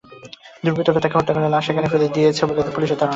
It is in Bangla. দুর্বৃত্তরা তাঁকে হত্যা করে লাশ এখানে ফেলে গেছে বলে পুলিশ ধারণা করছে।